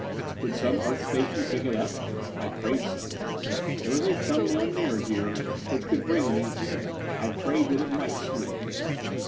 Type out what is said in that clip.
Would some Earth station pick it up? I prayed so. There was a thumb nail mirror here which could bring an answer. I prayed that it might swing.